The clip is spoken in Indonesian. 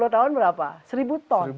empat puluh tahun berapa seribu ton